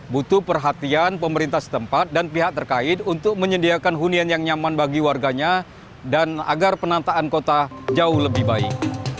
butuh perhatian pemerintah setempat dan pihak terkait untuk menyediakan hunian yang nyaman bagi warganya dan agar penataan kota jauh lebih baik